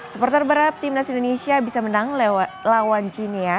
seperti berapa timnas indonesia bisa menang lawan jinia